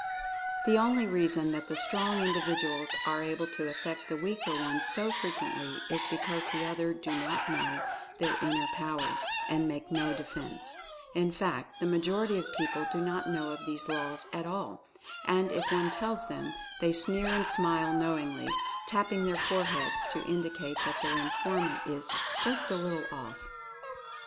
The only reason that the Strong Individuals are able to affect the weaker ones so frequently is because the other do not know their inner Power, and make no defense — in fact, the majority of people do not know of these laws at all ; and, if one tells them, they sneer and smile knowingly, tapping their foreheads to indicate that their informant is "just a little off."